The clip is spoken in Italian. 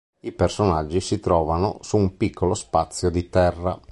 I personaggi si trovano su un piccolo spazio di terra.